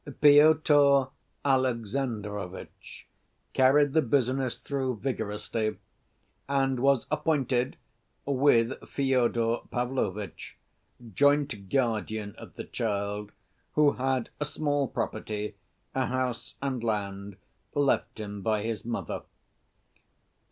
Pyotr Alexandrovitch carried the business through vigorously, and was appointed, with Fyodor Pavlovitch, joint guardian of the child, who had a small property, a house and land, left him by his mother.